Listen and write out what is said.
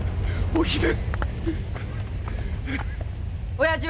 おひで！